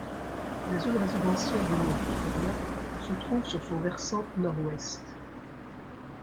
La zone résidentielle du Mont Victoria se trouve sur son versant nord-ouest.